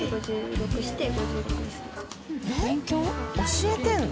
教えてるの？